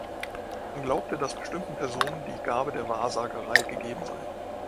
Man glaubte, dass bestimmten Personen die Gabe der Wahrsagerei gegeben sei.